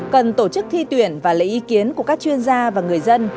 cần tổ chức thi tuyển và lấy ý kiến của các chuyên gia và người dân